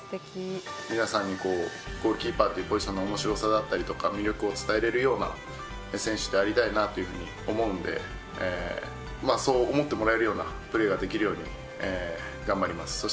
皆さんにゴールキーパーというポジションの面白さだったりとか魅力を伝えられるような選手でありたいなというふうに思うのでそう思ってもらえるようなプレーができるように頑張ります。